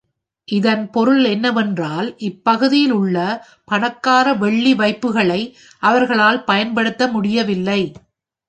இதன் பொருள் என்னவென்றால், இப்பகுதியில் உள்ள பணக்கார வெள்ளி வைப்புகளை அவர்களால் பயன்படுத்த முடியவில்லை.